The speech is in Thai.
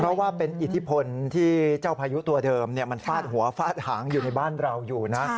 เพราะว่าเป็นอิทธิพลที่เจ้าพายุตัวเดิมมันฟาดหัวฟาดหางอยู่ในบ้านเราอยู่นะ